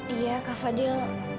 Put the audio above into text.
iya kak fadil